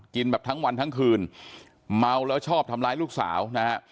แบบทั้งวันทั้งคืนเมาแล้วชอบทำร้ายลูกสาวนะฮะ